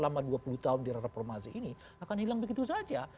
selama dua puluh tahun di reformasi ini akan hilang begitu saja